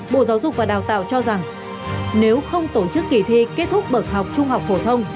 bộ giáo dục và đào tạo cho rằng nếu không tổ chức kỳ thi kết thúc bậc học trung học phổ thông